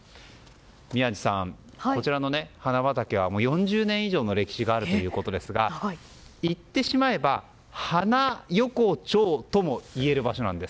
宮司さん、こちらの花畑は４０年以上の歴史があるということですが言ってしまえば花横丁ともいえる場所なんです。